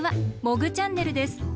「モグチャンネル」です。